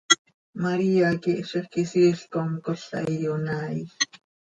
María quih zixquisiil com cola iyonaaij.